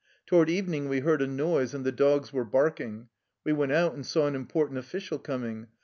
Toward evening we heard a noise, and the dogs were barking. We went out and saw an important official coming.